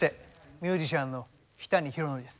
ミュージシャンの日谷ヒロノリです。